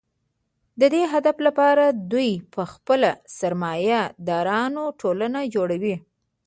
د دې هدف لپاره دوی په خپله د سرمایه دارانو ټولنه جوړوي